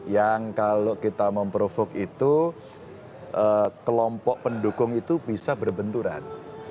yang kalau kita memprovok itu kelompok pendukung itu bisa berbenturan